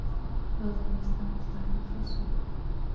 Byl zaměstnán u Státních lesů.